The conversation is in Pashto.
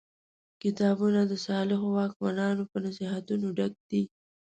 کتابونه د صالحو واکمنانو په نصیحتونو ډک دي.